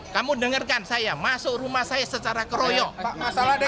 kamu dengarkan saya masuk rumah saya secara keroyok